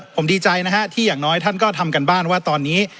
ผมดีใจนะฮะที่อย่างน้อยท่านก็ทำการบ้านว่าตอนนี้